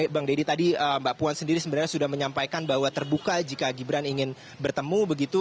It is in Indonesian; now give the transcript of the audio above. bang deddy tadi mbak puan sendiri sebenarnya sudah menyampaikan bahwa terbuka jika gibran ingin bertemu begitu